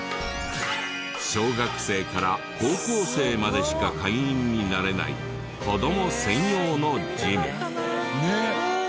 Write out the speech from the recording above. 小学生から高校生までしか会員になれない子ども専用のジム。